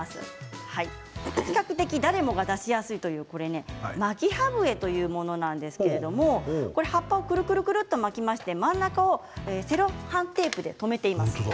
比較的、誰もが出しやすいという巻き葉笛というものなんですけれども葉っぱをくるくると巻きまして真ん中をセロハンテープで留めています。